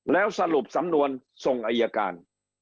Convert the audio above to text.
แล้วสรุปสำนวนส่งอายการ